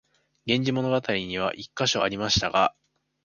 「源氏物語」には一カ所ありましたが、